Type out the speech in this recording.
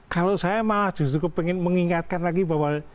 kalau saya mau cukup mengingatkan lagi bahwa